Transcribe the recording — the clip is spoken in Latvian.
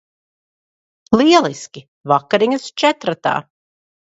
Lieliski. Vakariņas četratā.